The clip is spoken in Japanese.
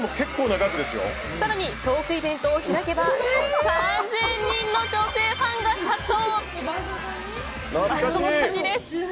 さらに、トークイベントを開けば３０００人の女性ファンが殺到。